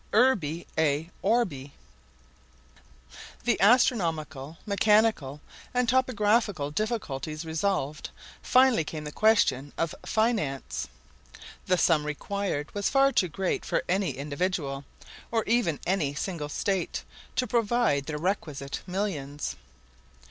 URBI ET ORBI The astronomical, mechanical, and topographical difficulties resolved, finally came the question of finance. The sum required was far too great for any individual, or even any single State, to provide the requisite millions.